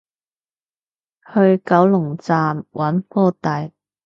去九龍站揾科大